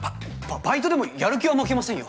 バイトでもやる気は負けませんよ。